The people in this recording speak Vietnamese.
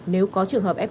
nếu có trường hợp f